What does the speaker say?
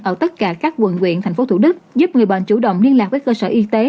ở tất cả các quận nguyện thành phố thủ đức giúp người bệnh chủ động liên lạc với cơ sở y tế